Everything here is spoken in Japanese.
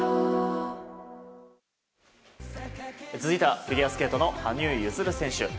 続いてはフィギュアスケートの羽生結弦選手。